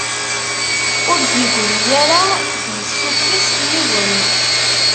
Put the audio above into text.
Ur d-yegri ara k-d-yessukkes yiwen.